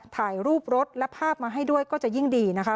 ถ่ายรูปรถและภาพมาให้ด้วยก็จะยิ่งดีนะคะ